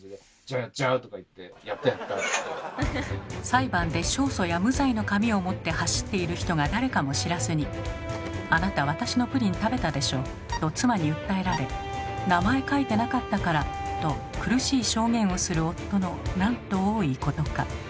裁判で勝訴や無罪の紙を持って走っている人が誰かも知らずに「あなた私のプリン食べたでしょ」と妻に訴えられ「名前書いてなかったから」と苦しい証言をする夫のなんと多いことか。